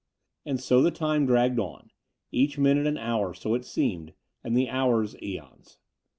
And so the time dragged on, each minute an hour, so it seemed, and the hour sons.